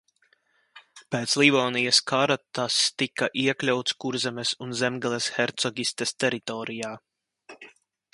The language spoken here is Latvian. Pēc Livonijas kara tas tika iekļauts Kurzemes un Zemgales hercogistes teritorijā.